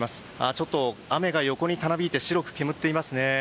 ちょっと雨が横にたなびいて白く煙っていますね。